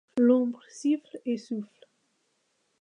L’ombre siffle et souffle.